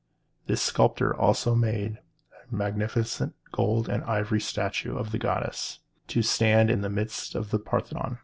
This sculptor also made a magnificent gold and ivory statue of the goddess, to stand in the midst of the Parthenon.